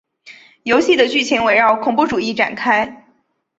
游戏的剧情围绕恐怖主义展开。